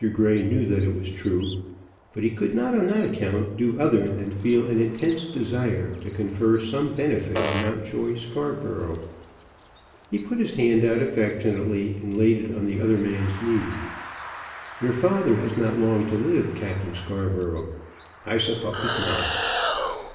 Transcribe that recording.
Grey knew that it was true; but he could not on that account do other than feel an intense desire to confer some benefit on Mountjoy Scarborough. He put his hand out affectionately and laid it on the other man's knee. "Your father has not long to live, Captain Scarborough." "I suppose not."